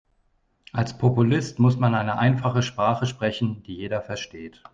Als Populist muss man eine einfache Sprache sprechen, die jeder versteht.